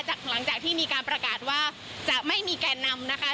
หลังจากที่มีการประกาศว่าจะไม่มีแก่นำนะคะ